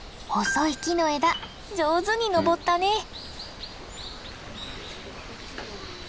細い木の枝上手に登ったね。